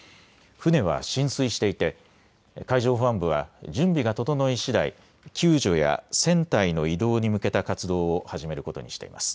船は浸水していて海上保安部は準備が整いしだい救助や船体の移動に向けた活動を始めることにしています。